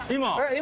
今？